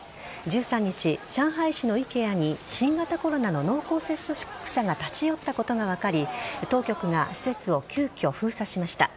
１３日、上海市のＩＫＥＡに新型コロナの濃厚接触者が立ち寄ったことが分かり当局が施設を急きょ封鎖しました。